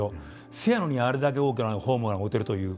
せやのにあれだけ大きなホームランを打てるという。